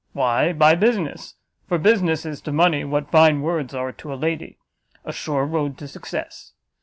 Why by business: for business is to money, what fine words are to a lady, a sure road to success.